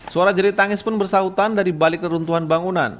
suara jeritangis pun bersautan dari balik keruntuhan bangunan